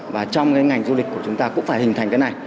và trong cái ngành du lịch của chúng ta cũng phải hình thành cái này